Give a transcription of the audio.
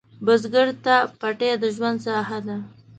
بزګر ته پټی د ژوند ساحه ده